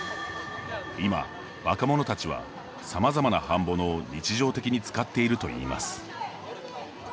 今、若者たちはさまざまなハンボノを日常的に使っているといいます。